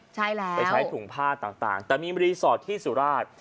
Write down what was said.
ใช่แล้วไปใช้ถุงผ้าต่างแต่มีรีสอร์ทที่สุราช